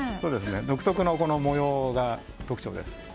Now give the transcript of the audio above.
独特の模様が特徴です。